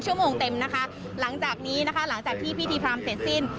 ชั่วโมงเต็มนะคะหลังจากนี้นะคะหลังจากที่พิธีพรามเสร็จสิ้น